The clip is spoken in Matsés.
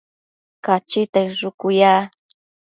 Cachita inshucu ya